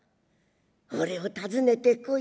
俺を訪ねてこい」。